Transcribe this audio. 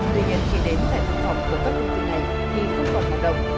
tuy nhiên chỉ đến tại phát phòng của các công ty này thì cũng còn một đồng